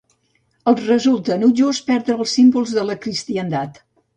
Els resulta enutjós perdre els símbols de la cristiandat.